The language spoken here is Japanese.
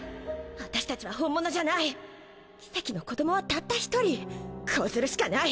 私たちは本物奇蹟の子どもはたった一人こうするしかない。